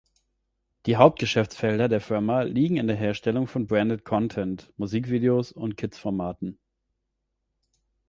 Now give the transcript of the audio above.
Die Hauptgeschäftsfelder der Firma liegen in der Herstellung von Branded Content, Musikvideos und Kids-Formaten.